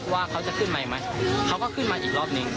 ว่าเขาจะขึ้นใหม่ไหมเขาก็ขึ้นมาอีกรอบหนึ่ง